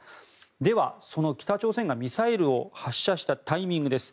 では、その北朝鮮がミサイルを発射したタイミングです。